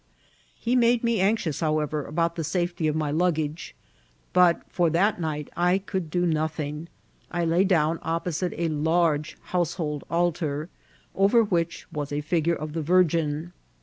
He made me anx* ious, however, abdut the safety of my luggage ; but for fbBt night I could do nothing. I lay down opposite a large household altar, over which was a figure of the Virgin.